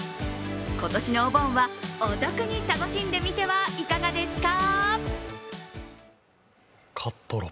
今年のお盆は、お得に楽しんでみてはいかがですか。